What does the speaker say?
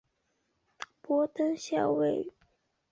博登县位美国德克萨斯州埃斯塔卡多平原边缘的一个县。